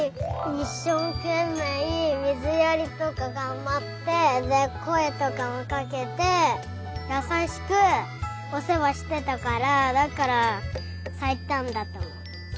いっしょうけんめいみずやりとかがんばってでこえとかもかけてやさしくおせわしてたからだからさいたんだとおもう。